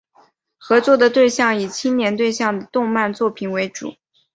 合作的对象以青年对象的动漫作品为主。